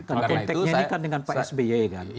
karena konteknya ini kan dengan pak sby kan